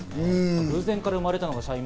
偶然から生まれたのがシャイ